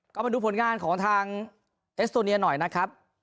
ก็มาดูผลงานของทางเอสโตเนียหน่อยนะครับ